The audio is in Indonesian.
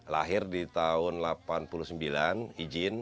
lahir di tahun seribu sembilan ratus delapan puluh sembilan izin